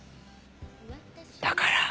だから」